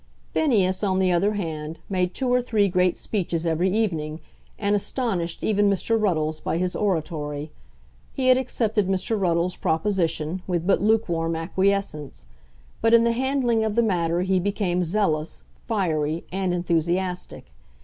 Phineas, on the other hand, made two or three great speeches every evening, and astonished even Mr. Ruddles by his oratory. He had accepted Mr. Ruddles's proposition with but lukewarm acquiescence, but in the handling of the matter he became zealous, fiery, and enthusiastic.